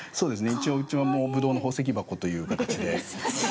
一応うちは「ぶどうの宝石箱」という形で。